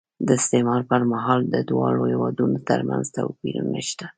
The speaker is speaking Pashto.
د استعمار پر مهال د دواړو هېوادونو ترمنځ توپیرونه شته.